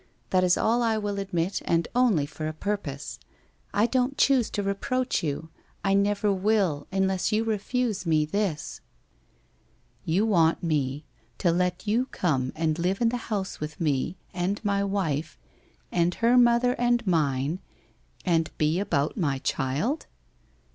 That is all I will admit, and only for a purpose. I don't choose to re proach you, I never will, unless you refuse me this.' ' You want me to let you come and live in the house with me, and my wife, and her mother and mine, and be about my child?